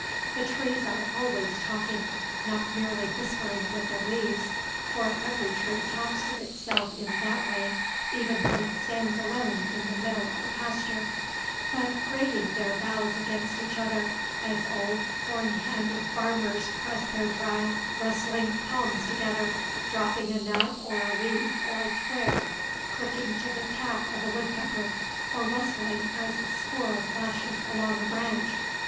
The trees are always talking, not merely whispering with their leaves, (for every tree talks to itself in that way, even when it stands alone in the middle of a pasture,) but grating their boughs against each other, as old horn handed farmers press their dry, rustling palms together, dropping a nut or a leaf or a twig, clicking to the tap of a woodpecker, or rustling as a squirrel flashes along a branch.